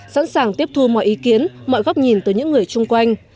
sẵn sàng tiếp thu mọi ý kiến mọi góc nhìn từ những người chung quanh